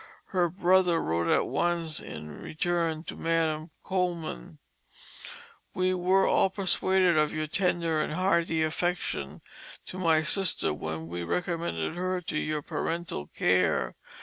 Her brother wrote at once in return to Madam Coleman: "We were all persuaded of your tender and hearty affection to my Sister when we recommended her to your parental care.